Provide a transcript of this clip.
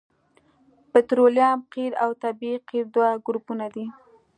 پطرولیم قیر او طبیعي قیر دوه ګروپونه دي